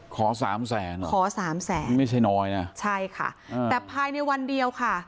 ขอสามแสนเหรอขอสามแสนนี่ไม่ใช่น้อยนะใช่ค่ะแต่ภายในวันเดียวค่ะ